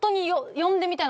呼んでみたい。